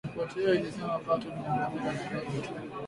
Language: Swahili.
Ripoti hiyo ilisema pato limeongezeka kidogo tu